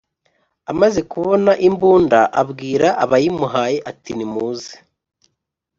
Amaze kubona imbunda abwira abayimuhaye atinimuze